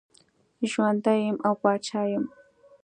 ژوندی یم او پاچا یم.